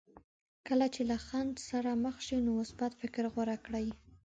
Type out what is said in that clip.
کله چې له خنډ سره مخ شئ نو مثبت فکر غوره کړئ.